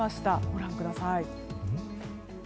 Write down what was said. ご覧ください。